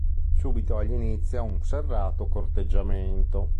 Subito egli inizia un serrato corteggiamento.